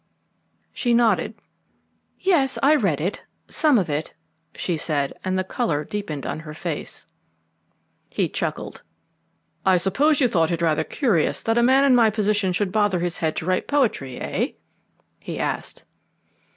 She nodded. "Yes, I read some of it," she said, and the colour deepened on her face. He chuckled. "I suppose you thought it rather curious that a man in my position should bother his head to write poetry, eh?" he asked.